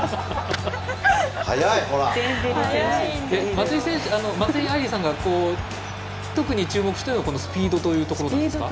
松井愛莉さんが特に注目しているのはスピードというところですか？